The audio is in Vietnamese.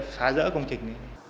khá dỡ công trình